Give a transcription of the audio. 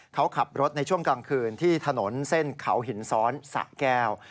เขาขับรถในช่วงกลางคืนที่ถนนเส้นเขาหินซ้อนสะแก้ว